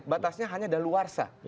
batasnya hanya dalawarsa